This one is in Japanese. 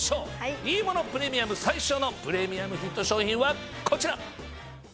「いいものプレミアム」最初のプレミアムヒット商品はこちら。